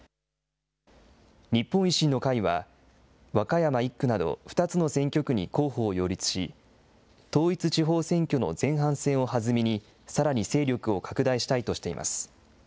日本維新の会は、和歌山１区など２つの選挙区に候補を擁立し、統一地方選挙の前半戦を弾みに、さらに勢力を拡大したいとしています。